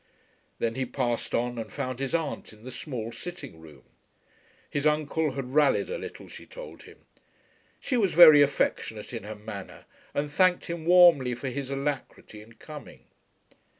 Then he passed on and found his aunt in the small sitting room. His uncle had rallied a little, she told him. She was very affectionate in her manner, and thanked him warmly for his alacrity in coming.